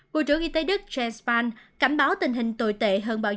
bộ trưởng y tế đức jens spahn cảnh báo tình hình tồi tệ